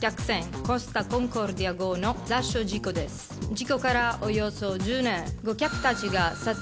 事故からおよそ１０年。